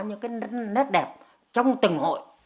những cái nét đẹp trong từng hội